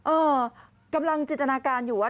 เออกำลังจินตนาการอยู่ว่า